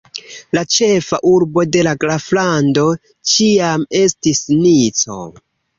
La ĉefa urbo de la graflando ĉiam estis Nico.